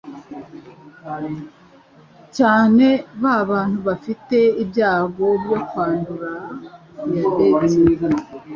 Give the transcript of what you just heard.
cyane ba bantu bafite ibyago byo kwandura diabete